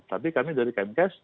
tapi kami dari kmk